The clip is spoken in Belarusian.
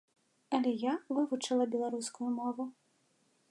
Але я вывучыла беларускую мову.